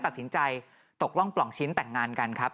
ตัดสินใจตกร่องปล่องชิ้นแต่งงานกันครับ